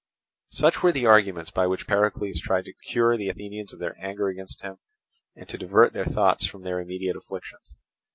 Such were the arguments by which Pericles tried to cure the Athenians of their anger against him and to divert their thoughts from their immediate afflictions.